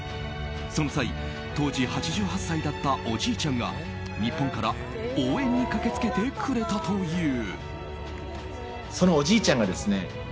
その際、当時８８歳だったおじいちゃんが日本から応援に駆け付けてくれたという。